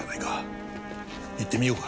行ってみようか。